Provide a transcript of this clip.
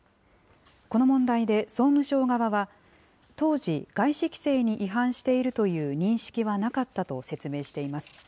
この問題で総務省側は、当時、外資規制に違反しているという認識はなかったと説明しています。